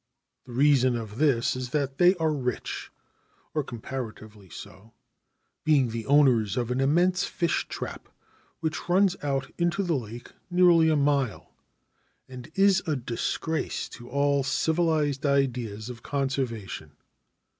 The reason of this is that they are rich, or comparatively so, being the owners of an immense fish trap, which runs out into the lake nearly a mile, and is a disgrace to all civilised ideas of conservation.